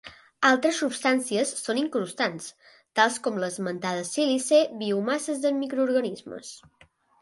Altres substàncies són incrustants, tals com l'esmentada sílice, biomasses de microorganismes.